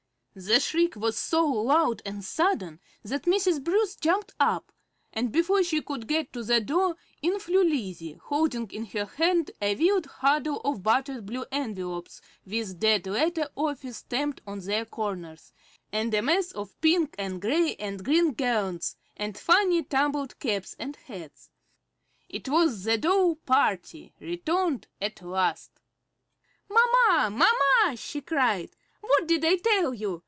The shriek was so loud and sudden that Mrs. Bruce jumped up; but before she could get to the door in flew Lizzie, holding in her hand a wild huddle of battered blue envelopes with "Dead Letter Office" stamped on their corners, and a mass of pink and gray and green gowns and funny tumbled capes and hats. It was the doll party, returned at last! "Mamma, mamma," she cried, "what did I tell you?